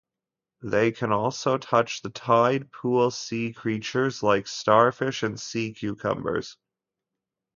They can also touch tide pool sea creatures like starfish and sea cucumbers.